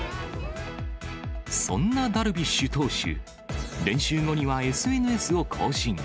そんなダルビッシュ投手、練習後にはＳＮＳを更新。